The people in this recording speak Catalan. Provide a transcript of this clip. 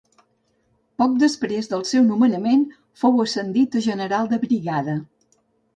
Poc després del seu nomenament fou ascendit a general de brigada.